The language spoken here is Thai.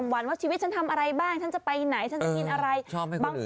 วันว่าชีวิตฉันทำอะไรบ้างฉันจะไปไหนฉันจะกินอะไร